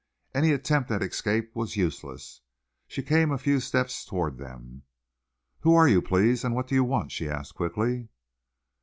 Any attempt at escape was useless. She came a few steps toward them. "Who are you, please, and what do you want?" she asked quickly.